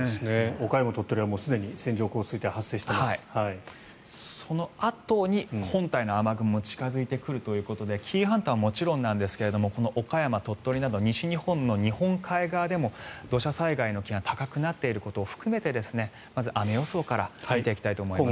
岡山、鳥取はすでに線状降水帯がそのあとに本体の雨雲が近付いてくるということで紀伊半島はもちろんなんですがこの岡山、鳥取など西日本の日本海側でも土砂災害の危険が高くなっていることを含めてまず雨予想から見ていきたいと思います。